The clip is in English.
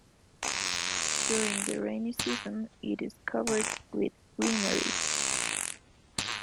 During the rainy season, it is covered with greenery.